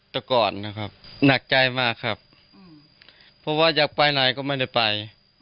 แต่ก่อนนะครับหนักใจมากครับเพราะว่าอยากไปไหนก็ไม่ได้ไป